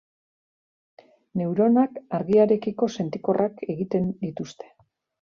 Neuronak argiarekiko sentikorrak egiten dituzte.